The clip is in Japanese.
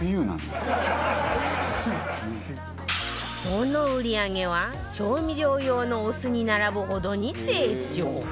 その売り上げは調味料用のお酢に並ぶほどに成長